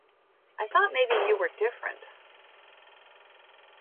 I thought maybe you were different.